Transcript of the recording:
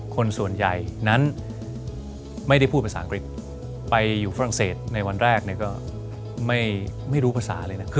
คนส่วนใหญ่นั้นไม่ได้พูดภาษาอังกฤษไปอยู่ฝรั่งเศสในวันแรกก็ไม่รู้ภาษาเลยนะ